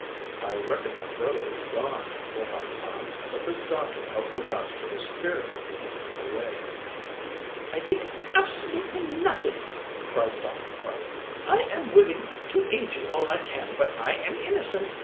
"I reckon my brother is gone," went on Tom. "But this doctor helped the rascals who spirited him away." "I did absolutely nothing," cried Dr. Karley. "I am willing to aid you all I can. But I am innocent.